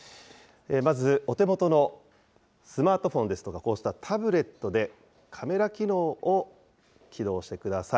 まず、お手元のスマートフォンですとかこうしたタブレットで、カメラ機能を起動してください。